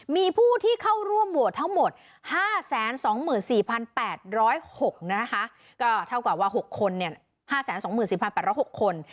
มีผู้ที่เข้าร่วมโหวตทั้งหมดห้าแสนสองหมื่นสี่พันแปดร้อยหกนะคะก็เท่ากว่าว่าหกคนเนี่ยห้าแสนสองหมื่นสี่พันแปดร้อยหกคน